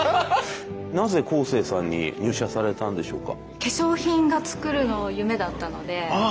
なぜコーセーさんに入社されたんでしょうか？